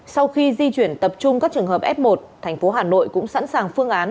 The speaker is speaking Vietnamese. sau khi di chuyển tập trung các trường hợp f một thành phố hà nội cũng sẵn sàng phương án